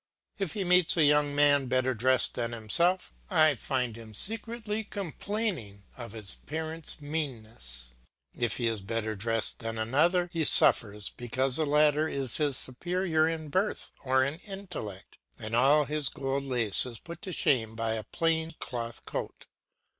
If he meets a young man better dressed than himself, I find him secretly complaining of his parents' meanness. If he is better dressed than another, he suffers because the latter is his superior in birth or in intellect, and all his gold lace is put to shame by a plain cloth coat.